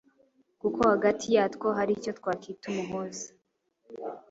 kuko hagati yatwo hari icyo twakwita umuhuza